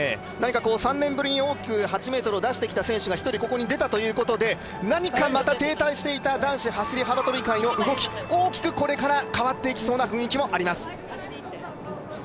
３年ぶりに大きく８ｍを出してきた選手が１人、ここに出たということで、何かまた停滞していた男子走り幅跳び界が動き大きくこれから変わっていきそうな雰囲気もあります。